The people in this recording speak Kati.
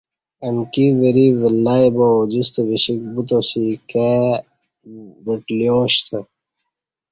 امکی وری ولئ با اوجِستہ وِشیک بُوتاسِی کائی وٹلیاشتہ